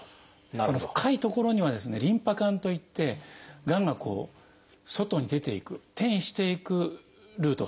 その深い所にはリンパ管といってがんが外に出ていく転移していくルートがあります。